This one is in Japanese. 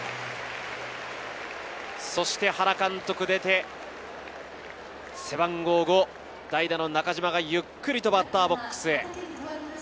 そして原監督出て、背番号５、代打の中島がゆっくりとバッターボックスへ。